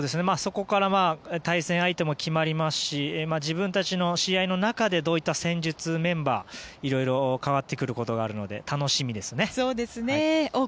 そこから対戦相手も決まりますし自分たちの試合の中でどういった戦術、メンバーいろいろ、変わってくることがあるので楽しみですね。